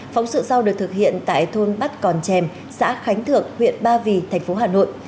phóng sự sau được thực hiện tại thôn bát còn chèm xã khánh thượng huyện ba vì tp hà nội